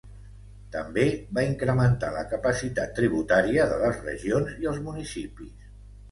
També, va incrementar la capacitat tributària de les regions i els municipis.